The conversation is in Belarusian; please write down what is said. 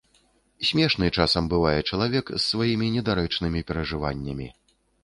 Смешны часам бывае чалавек з сваімі недарэчнымі перажываннямі.